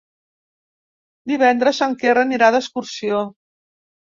Divendres en Quer anirà d'excursió.